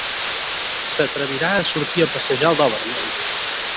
S'atrevirà a sortir a passejar el dòberman.